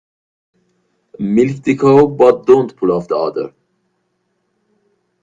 Milk the cow but don't pull off the udder.